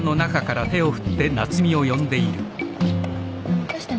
どうしたの？